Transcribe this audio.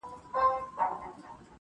• ورور د وجدان جګړه کوي دننه..